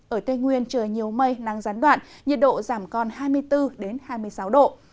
ở tây nguyên trời nhiều mây nắng gián đoạn nhiệt độ giảm còn hai mươi bốn hai mươi sáu độ